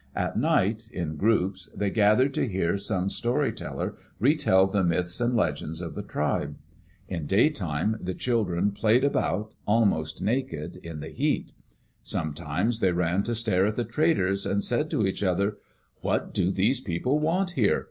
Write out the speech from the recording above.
At night, in groups, they gathered to hear some story teller retell the myths and legends of the tribe. In daytime^ the children played about, almost naked, in the heat. Sometimes they came to stare at the traders, and [8s] Digitized by VjOOQ IC EARLY DAYS IN OLD OREGON said to each other, "What do these people want here?